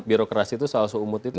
birokrasi itu soal seumur itu